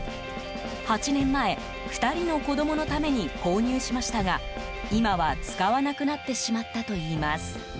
８年前、２人の子供のために購入しましたが今は使わなくなってしまったといいます。